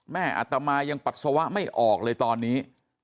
อัตมายังปัสสาวะไม่ออกเลยตอนนี้